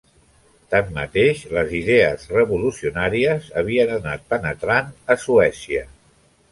Tanmateix les idees revolucionàries havien anat penetrant a Suècia.